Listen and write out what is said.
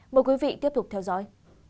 mời quý vị tiếp tục theo dõi